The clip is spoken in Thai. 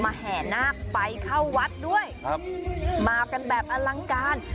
แห่นาคไปเข้าวัดด้วยครับมากันแบบอลังการ